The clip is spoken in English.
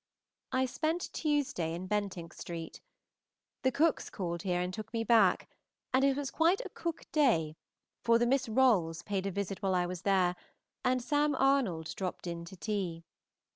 I spent Tuesday in Bentinck Street. The Cookes called here and took me back, and it was quite a Cooke day, for the Miss Rolles paid a visit while I was there, and Sam Arnold dropped in to tea.